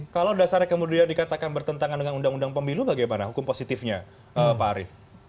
kalau dasarnya kemudian dikatakan bertentangan dengan undang undang pemilu bagaimana hukum positifnya pak ari